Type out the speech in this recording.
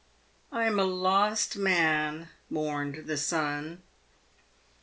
" I am a lost man," mourned the son.